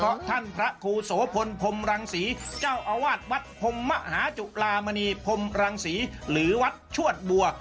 เพราะท่านพระครูโสพลพรมรังศรีเจ้าอาวาสวัดพรมมหาจุลามณีพรมรังศรีหรือวัดชวดบัว